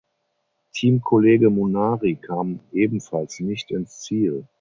Teamkollege Munari kam ebenfalls nicht ins Ziel.